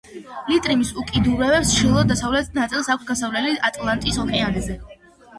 ლიტრიმის უკიდურეს ჩრდილო-დასავლეთ ნაწილს აქვს გასასვლელი ატლანტის ოკეანეზე.